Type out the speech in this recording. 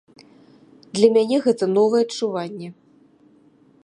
Для мяне гэта новае адчуванне.